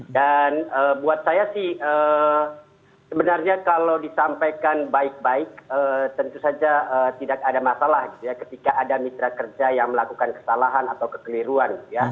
dan buat saya sih sebenarnya kalau ditampaikan baik baik tentu saja tidak ada masalah gitu ya ketika ada mitra kerja yang melakukan kesalahan atau kekeliruan